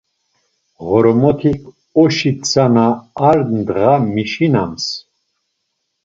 Ğormotik oşi tzana ar ndğa mişinams.